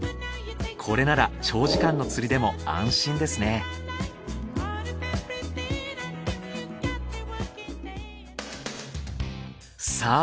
これなら長時間の釣りでも安心ですねさあ